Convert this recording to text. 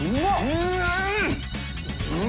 うん！